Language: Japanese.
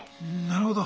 なるほど。